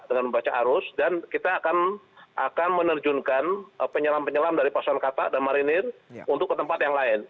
dengan membaca arus dan kita akan menerjunkan penyelam penyelam dari pasangan katak dan marinir untuk ke tempat yang lain